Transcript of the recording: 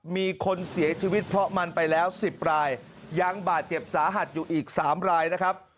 มีคนเสียชีวิตเพราะมันไปแล้ว๑๐รายยังบาดเจ็บสาหัสอยู่อีก๓รายนะครับ